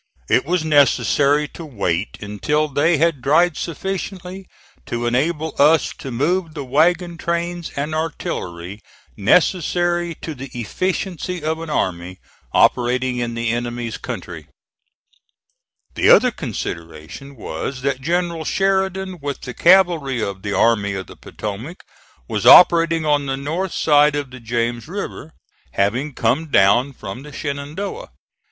It was necessary to wait until they had dried sufficiently to enable us to move the wagon trains and artillery necessary to the efficiency of an army operating in the enemy's country. The other consideration was that General Sheridan with the cavalry of the Army of the Potomac was operating on the north side of the James River, having come down from the Shenandoah.